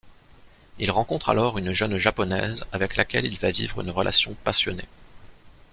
Il rencontre alors une jeune Japonaise avec laquelle il va vivre une relation passionnée.